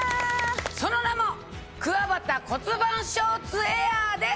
その名も「くわばた骨盤ショーツエアー」です。